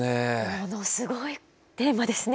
ものすごいテーマですね